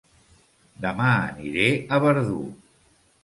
Dema aniré a Verdú